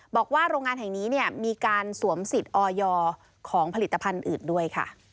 บอกว่าโรงงานแห่งนี้มีการสวมสิทธิ์ออยของผลิตภัณฑ์อื่นด้วยค่ะ